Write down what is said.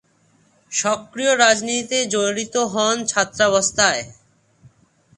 সক্রিয় রাজনীতিতে জড়িত হন ছাত্রাবস্থায়।